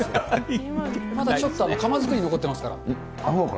まだちょっと窯作り残ってまそうか。